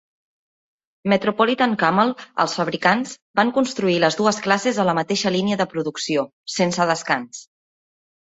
Metropolitan-Cammell, els fabricants, van construir les dues classes a la mateixa línia de producció, sense descans.